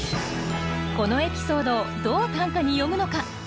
このエピソードをどう短歌に詠むのか。